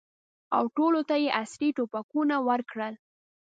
او ټولو ته یې عصري توپکونه ورکړل.